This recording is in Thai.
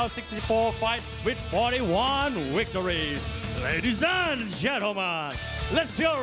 ทุกคนทุกท่านทุกท่าน